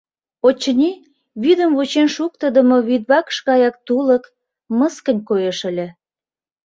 Очыни, вӱдым вучен шуктыдымо вӱдвакш гаяк тулык, мыскынь коеш ыле.